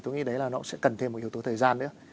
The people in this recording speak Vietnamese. tôi nghĩ đấy là nó sẽ cần thêm một yếu tố thời gian nữa